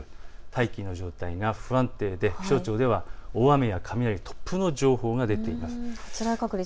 大気の状態が不安定で気象庁では大雨や雷、突風の情報が出ています。